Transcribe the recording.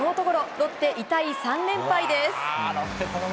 ロッテ、痛い３連敗です。